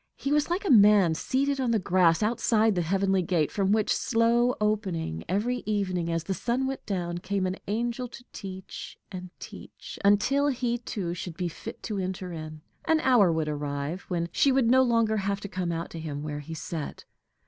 He was like a man seated on the grass outside the heavenly gate, from which, slow opening every evening as the sun went down, came an angel to teach, and teach, until he too should be fit to enter in: an hour would arrive when she would no longer have to come out to him where he sat.